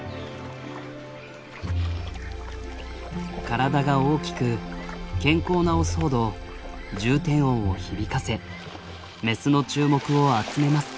体が大きく健康なオスほど重低音を響かせメスの注目を集めます。